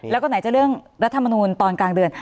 แล้วก็ไหนจะเรื่องรัฐมนูลตอนกลางเดือน